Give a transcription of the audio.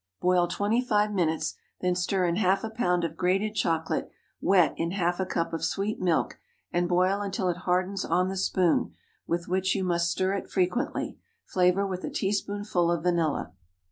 Boil twenty five minutes; then stir in half a pound of grated chocolate wet in half a cup of sweet milk, and boil until it hardens on the spoon, with which you must stir it frequently. Flavor with a teaspoonful of vanilla.